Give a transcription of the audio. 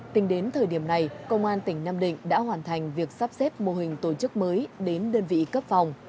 tính đến thời điểm này công an tỉnh nam định đã hoàn thành việc sắp xếp mô hình tổ chức mới đến đơn vị cấp phòng